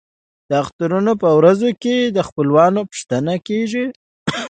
د اخترونو په ورځو کې د خپلوانو پوښتنه کیږي.